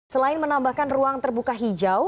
selain menambahkan ruang terbuka hijau